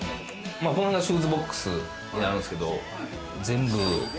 シューズボックスになるんですけど。